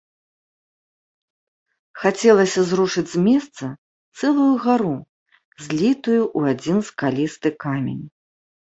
Хацелася зрушыць з месца цэлую гару, злітую ў адзін скалісты камень.